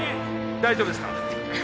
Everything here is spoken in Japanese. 大丈夫ですか？